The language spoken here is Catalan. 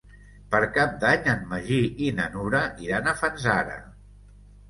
Per Cap d'Any en Magí i na Nura iran a Fanzara.